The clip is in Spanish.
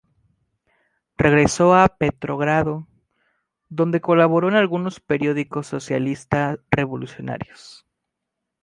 Regresó a Petrogrado donde colaboró en algunos periódicos socialista-revolucionarios.